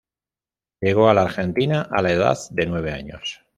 Llegó a la Argentina a la edad de nueve años.